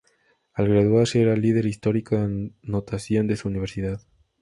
Al graduarse, era el líder histórico en anotación de su universidad.